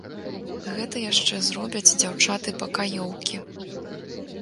Гэта яшчэ зробяць дзяўчаты-пакаёўкі.